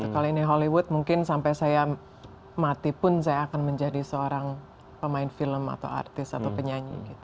kalau ini hollywood mungkin sampai saya mati pun saya akan menjadi seorang pemain film atau artis atau penyanyi